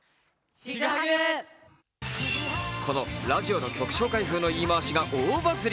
このラジオの曲紹介風の言い回しが大バズり。